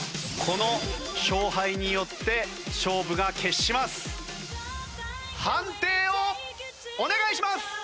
この勝敗によって勝負が決します。